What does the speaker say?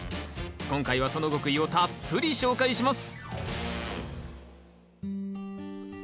今回はその極意をたっぷり紹介します！